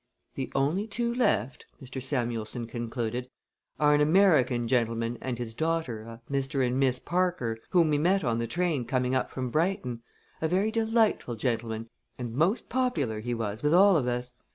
"The only two left," Mr. Samuelson concluded, "are an American gentleman and his daughter, a Mr. and Miss Parker whom we met on the train coming up from Brighton a very delightful gentleman and most popular he was with all of us.